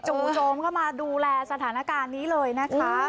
คุณผู้ชมเข้ามาดูแลสถานการณ์นี้เลยนะคะ